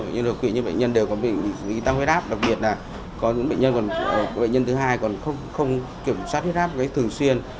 những bệnh nhân đều có yếu tố huyết áp đặc biệt là có những bệnh nhân thứ hai còn không kiểm soát huyết áp thường xuyên